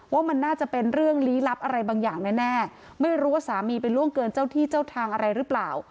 ว่ามันน่าจะเป็นเรื่องลี้ลับอะไรบางอย่างแน่ไม่รู้ว่าสามีไปล่วงเกินเจ้าที่เจ้าทางอะไรหรือเปล่า